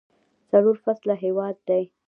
څلور فصله هیواد دی.